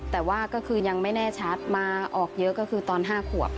แต่ว่าก็คือยังไม่แน่ชัดมาออกเยอะก็คือตอน๕ขวบ